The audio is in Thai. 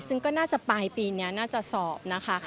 ซึ่งก็น่าจะปลายปีนี้น่าจะสอบนะคะ